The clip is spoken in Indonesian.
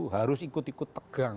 harus ikut ikut tegang